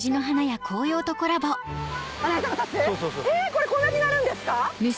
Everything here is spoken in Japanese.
これこんなになるんですか？